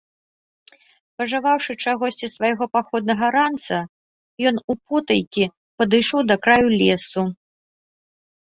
Пажаваўшы чагосьці з свайго паходнага ранца, ён употайкі падышоў да краю лесу.